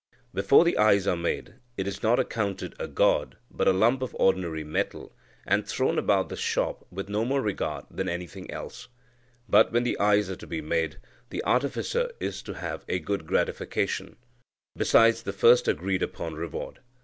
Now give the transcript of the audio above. Before the eyes are made, it is not accounted a god, but a lump of ordinary metal, and thrown about the shop with no more regard than anything else. But, when the eyes are to be made, the artificer is to have a good gratification, besides the first agreed upon reward.